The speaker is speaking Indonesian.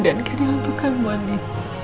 dan keadilan untuk kamu andi